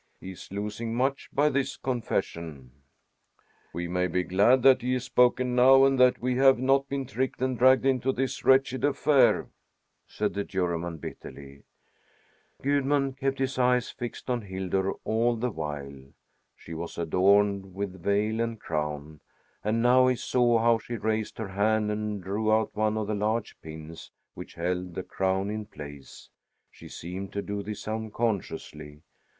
He is losing much by this confession." "We may be glad that he has spoken now, and that we have not been tricked and dragged into this wretched affair," said the Juryman bitterly. Gudmund kept his eyes fixed on Hildur all the while. She was adorned with veil and crown, and now he saw how she raised her hand and drew out one of the large pins which held the crown in place. She seemed to do this unconsciously.